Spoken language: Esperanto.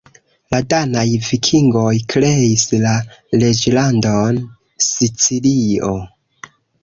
La danaj vikingoj kreis la Reĝlandon Sicilio.